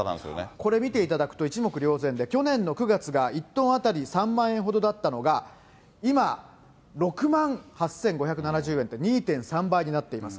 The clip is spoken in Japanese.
これ見ていただくと、一目瞭然で、去年の９月が１トン当たり３万円ほどだったのが、今、６万８５７０円と、２．３倍になっています。